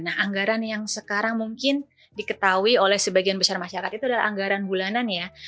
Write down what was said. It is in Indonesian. nah anggaran yang sekarang mungkin diketahui oleh sebagian besar masyarakat itu adalah anggaran bulanan ya